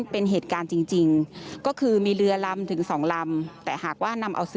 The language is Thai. เป็นเหตุการณ์จริงก็คือมีเรือลำถึง๒ลำ